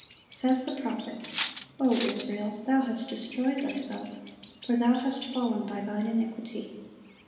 Says the prophet, "O Israel, thou hast destroyed thyself;" "for thou hast fallen by thine iniquity."